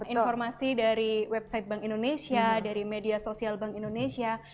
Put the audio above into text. informasi dari website bank indonesia dari media sosial bank indonesia